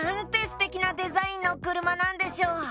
すてきなデザインのくるまなんでしょう！